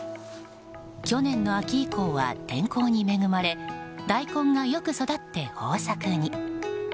去年の秋以降は天候に恵まれ大根がよく育って方策に。